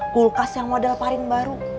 kulkas yang model paling baru